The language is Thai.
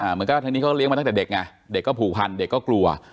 เหมือนกับทางนี้เขาเลี้ยมาตั้งแต่เด็กไงเด็กก็ผูกพันเด็กก็กลัว